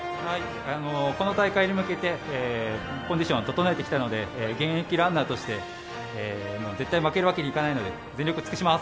この大会に向けて、コンディションを整えてきたので現役ランナーとして絶対負けるわけいかないので絶対頑張ります。